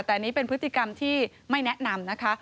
แต่อันนี้เป็นพฤติกรรมที่ไม่แนะนำนะคะ